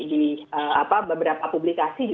di beberapa publikasi